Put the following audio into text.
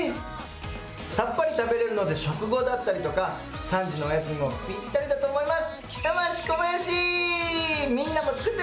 さっぱり食べれるので、食後だったりとか、３時のおやつにもぴったりだと思います。